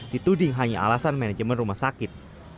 dituding hanya alasan manajemen rumah sakit